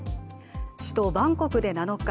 首都バンコクで７日